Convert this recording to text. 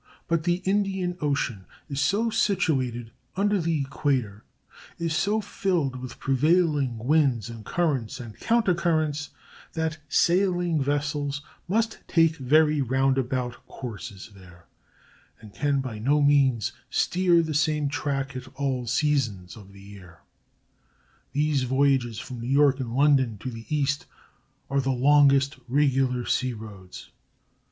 But the Indian Ocean is so situated under the equator, is so filled with prevailing winds and currents and counter currents, that sailing vessels must take very roundabout courses there, and can by no means steer the same track at all seasons of the year. These voyages from New York and London to the East are the longest regular sea roads.